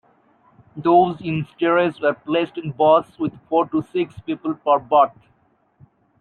Those in steerage were placed in berths with four to six people per berth.